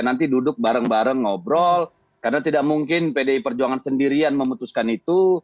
nanti duduk bareng bareng ngobrol karena tidak mungkin pdi perjuangan sendirian memutuskan itu